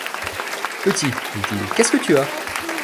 Petit, dit-il, qu’est-ce que tu as ?